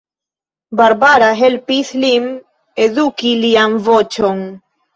Barbara helpis lin eduki lian voĉon.